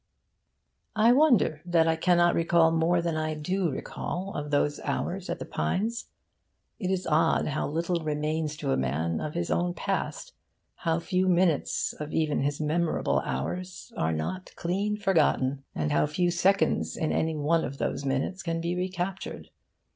I wonder that I cannot recall more than I do recall of those hours at The Pines. It is odd how little remains to a man of his own past how few minutes of even his memorable hours are not clean forgotten, and how few seconds in any one of those minutes can be recaptured...